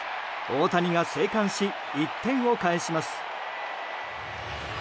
大谷が生還し、１点を返します。